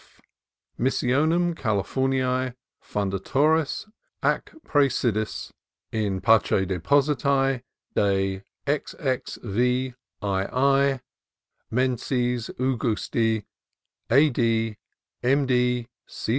S. F. Missionum Calif orniae fundatoris ac Praesidis in pace depositae die XXVIII mensis augusti A. D. M.